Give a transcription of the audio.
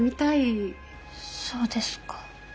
そうですか。